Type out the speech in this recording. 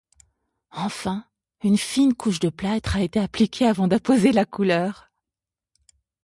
Enfin, une fine couche de plâtre a été appliquée avant d'apposer la couleur.